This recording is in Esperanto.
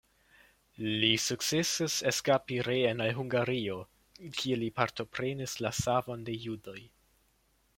Li sukcesis eskapi reen al Hungario kie li partoprenis la savon de judoj.